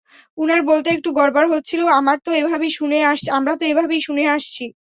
উনার বলতে একটু গড়বড় হচ্ছিলো, আমরা তো এভাবেই শুনে আসছি।